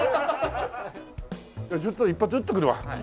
じゃあちょっと一発打ってくるわ。